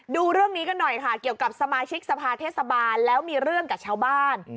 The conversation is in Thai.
ดูเรื่องนี้กันหน่อยค่ะเกี่ยวกับสมาชิกสภาเทศบาลแล้วมีเรื่องกับชาวบ้าน